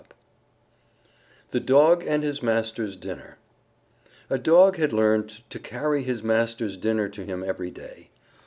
_ THE DOG AND HIS MASTER'S DINNER A Dog had learned to carry his master's dinner to him every day.